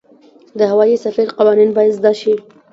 د هوايي سفر قوانین باید زده شي.